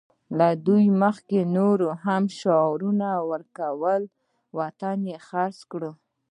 له دوی مخکې نورو هم شعارونه ورکول خو هېواد یې خرڅ کړ